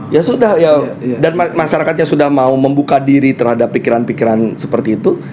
ya sudah ya dan masyarakatnya sudah mau membuka diri terhadap pikiran pikiran seperti itu